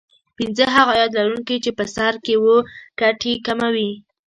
پینځه هغه عاید لرونکي چې په سر کې وو ګټې کموي